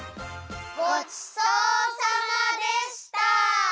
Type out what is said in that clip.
ごちそうさまでした！